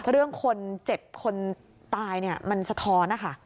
เรื่องคนเจ็บคนตายเนี่ยมันสะท้อนนะคะ